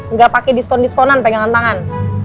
nggak pakai diskon diskonan pegangan tangan